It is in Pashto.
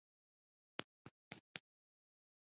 زړه د خندا پټ خزانې لري.